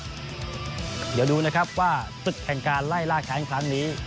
เดี๋ยวดูนะครับว่าศึกแห่งการไล่ล่าแชมป์ครั้งนี้